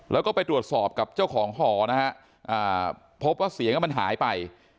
แล้วก็ไปตรวจสอบกับเจ้าของหอนะฮะพบว่าเสียงมันหายไป